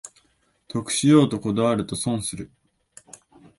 得しようとこだわると損する